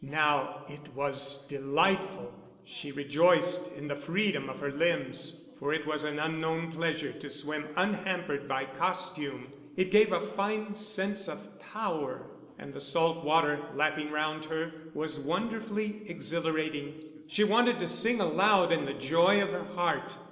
Now it was delightful; she rejoiced in the freedom of her limbs, for it was an unknown pleasure to swim unhampered by costume. It gave a fine sense of power, and the salt water, lapping round her, was wonderfully exhilarating. She wanted to sing aloud in the joy of her heart.